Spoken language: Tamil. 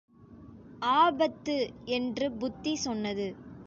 ஆபத்து! என்று புத்தி சொன்னது.